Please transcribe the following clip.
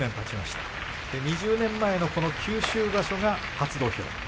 ２０年前の九州場所が初土俵。